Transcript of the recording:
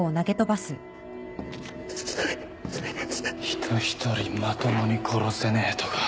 人一人まともに殺せねえとか。